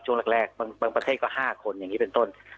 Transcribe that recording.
ช่วงแรกบางประเทศก็๕คนอย่างนี้เป็นต้น